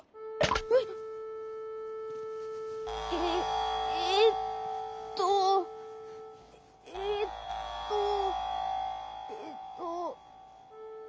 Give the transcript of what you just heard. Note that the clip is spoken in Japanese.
えっ？えっえっと？ええっとえっと。